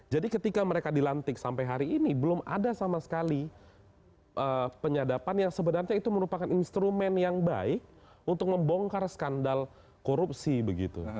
jadi ketika mereka dilantik sampai hari ini belum ada sama sekali penyadapan yang sebenarnya itu merupakan instrumen yang baik untuk membongkar skandal korupsi begitu